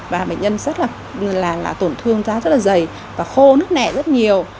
và bệnh nhân rất là tổn thương da rất là dày và khô nước nẻ rất nhiều